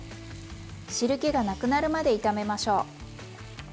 汁けがなくなるまで炒めましょう。